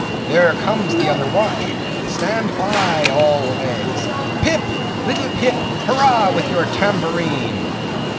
There comes the other watch. Stand by all legs! Pip! little Pip! hurrah with your tambourine!